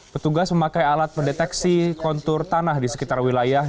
petugas memakai alat pendeteksi kontur tanah di sekitar wilayah